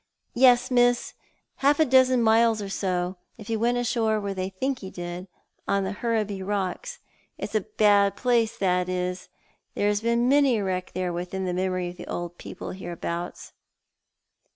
"Yes, Miss, half a dozen miles or more, if she went ashore where they all think she did — on the Hurraby rocks. It's a bad place, that is. There's been many a wreck there within the memory of the old pe9ple hereabouts."